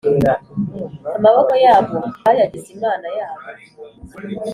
amaboko yabo bayagize imana yabo”